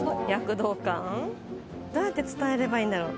どうやって伝えればいいんだろう。